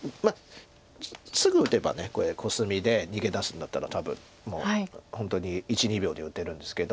すぐ打てばこれコスミで逃げ出すんだったら多分もう本当に１２秒で打てるんですけど。